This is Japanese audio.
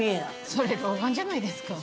それ老眼じゃないですか。